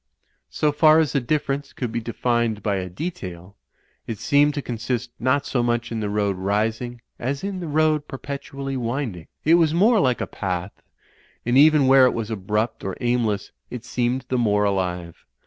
So far as the difference could be defined by a detail, it seemed to consist not so much in the road rising as in the road perpetually winding. It was more like a path; and even where it was abrupt or aimless, it seemed the more alive.